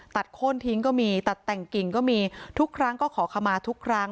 โค้นทิ้งก็มีตัดแต่งกิ่งก็มีทุกครั้งก็ขอขมาทุกครั้ง